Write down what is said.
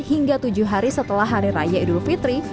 hingga tujuh hari setelah hari raya idul fitri